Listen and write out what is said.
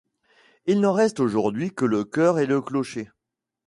Il n'en reste aujourd'hui que le chœur et le clocher.